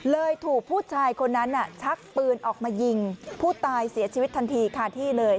ถูกผู้ชายคนนั้นชักปืนออกมายิงผู้ตายเสียชีวิตทันทีคาที่เลย